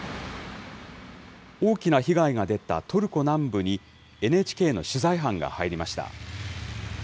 大きな被害が出たトルコ南部に、ＮＨＫの取材班が入りました。